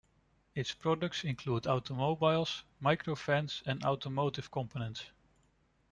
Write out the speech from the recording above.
Its products include automobiles, microvans, and automotive components.